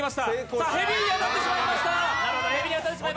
さあ、へびに当たってしまいました